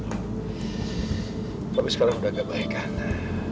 tapi sekarang udah agak baik karena